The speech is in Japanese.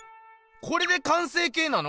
これで完成形なの？